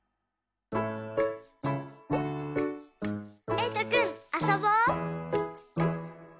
えいとくんあそぼ！